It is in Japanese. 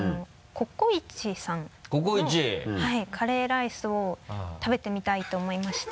「ココイチ」カレーライスを食べてみたいと思いまして。